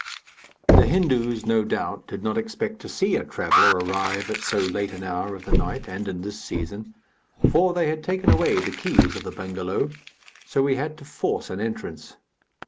The Hindus, no doubt, did not expect to see a traveller arrive at so late an hour of the night and in this season, for they had taken away the keys of the bengalow, so we had to force an entrance.